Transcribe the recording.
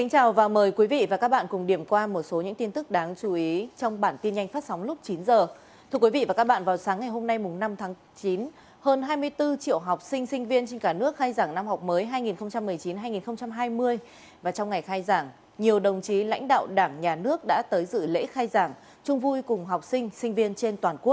hãy đăng ký kênh để ủng hộ kênh của chúng mình nhé